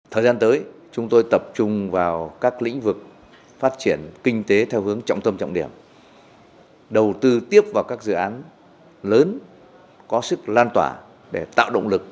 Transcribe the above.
thời gian tới chúng tôi tập trung vào các lĩnh vực phát triển kinh tế theo hướng trọng tâm trọng điểm đầu tư tiếp vào các dự án lớn có sức lan tỏa để tạo động lực